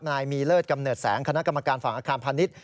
นายมีเลิศกำเนิดแสงคณะกรรมการฝั่งอาคารพาณิชย